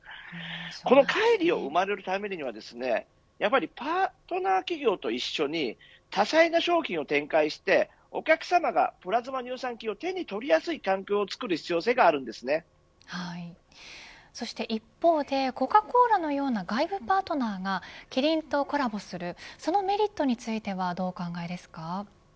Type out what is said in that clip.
この乖離を埋めるためにはですねやはりパートナー企業と一緒に多彩な商品を展開してお客さまがプラズマ乳酸菌を手に取りやすい環境をつくるそして一方でコカ・コーラのような外部パートナーがキリンとコラボするそのメリットについてはどうお考えですか。